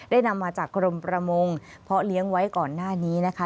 นำมาจากกรมประมงเพราะเลี้ยงไว้ก่อนหน้านี้นะคะ